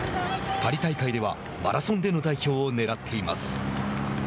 パリ大会ではマラソンでの代表をねらっています。